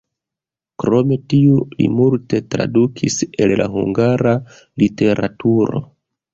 Krom tiu li multe tradukis el la hungara literaturo.